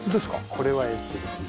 これはえっとですね